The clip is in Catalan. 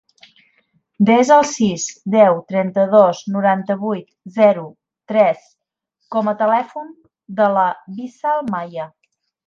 Desa el sis, deu, trenta-dos, noranta-vuit, zero, tres com a telèfon de la Wissal Maya.